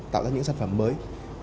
tạo ra những sản phẩm mới